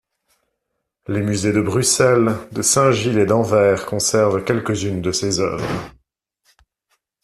Les musées de Bruxelles, de Saint-Gilles et d'Anvers conservent quelques-unes de ses œuvres.